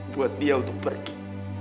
buat dia untuk pergi